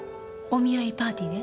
お見合いパーティーで？